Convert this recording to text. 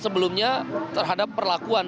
sebelumnya terhadap perlakuan